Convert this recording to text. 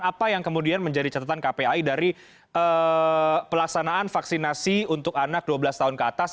apa yang kemudian menjadi catatan kpai dari pelaksanaan vaksinasi untuk anak dua belas tahun ke atas